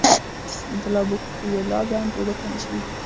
د لابوکویلا بند اوبه کمې شوي دي.